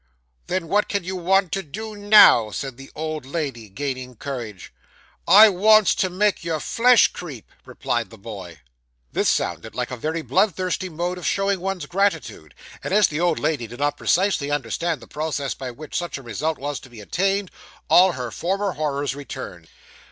'Then what can you want to do now?' said the old lady, gaining courage. 'I wants to make your flesh creep,' replied the boy. This sounded like a very bloodthirsty mode of showing one's gratitude; and as the old lady did not precisely understand the process by which such a result was to be attained, all her former horrors returned.